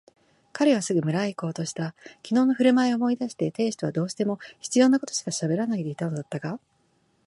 彼はすぐ村へいこうとした。きのうのふるまいを思い出して亭主とはどうしても必要なことしかしゃべらないでいたのだったが、